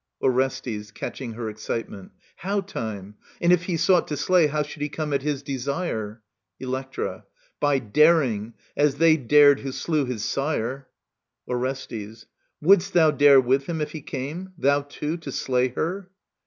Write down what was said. Orestes {catching her excitement). How time ? And if he sought To slay, how should he come at his desire ? Electra. By daring, as they dared who slew his sire I Orestes. Wouldst thou dare with him, if he came, thou too. To slay her?